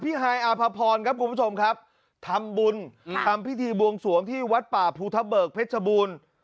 ฮายอาภพรครับคุณผู้ชมครับทำบุญทำพิธีบวงสวงที่วัดป่าภูทะเบิกเพชรบูรณ์